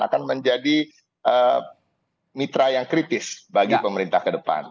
akan menjadi mitra yang kritis bagi pemerintah ke depan